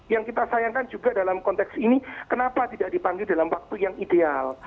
yang kita sayangkan juga dalam konteks ini kenapa tidak dipanggil dalam waktu yang ideal